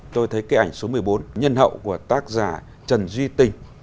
tôi thấy cái ảnh số một mươi bốn nhân hậu của tác giả trần duy tình